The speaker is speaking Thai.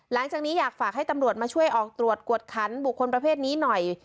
หลังจากนี้อยากฝากให้ตำรวจมาช่วยออกตรวจกวดขันบุคคลประเภทนี้หน่อย